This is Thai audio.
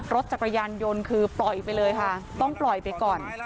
รถจักรยานยนต์คือปล่อยไปเลยค่ะต้องปล่อยไปก่อน